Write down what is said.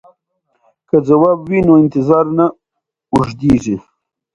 که ځواب وي نو انتظار نه اوږدیږي.